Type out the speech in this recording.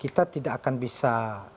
kita tidak akan bisa